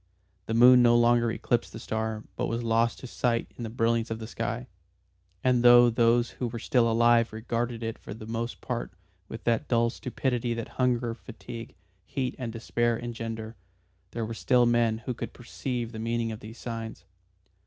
The moon no longer eclipsed the star but was lost to sight in the brilliance of the sky. And though those who were still alive regarded it for the most part with that dull stupidity that hunger, fatigue, heat and despair engender, there were still men who could perceive the meaning of these signs.